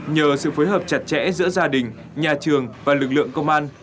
nhờ sự phối hợp chặt chẽ giữa gia đình nhà trường và lực lượng công an